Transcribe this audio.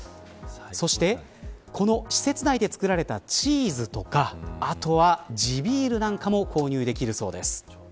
そして、この施設内で作られたチーズとかあとは地ビールなんかも購入できるそうです。